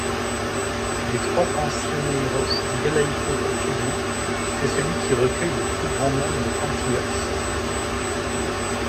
Des trois cancioneiros galaïco-portugais, c'est celui qui recueille le plus grand nombre de cantigas.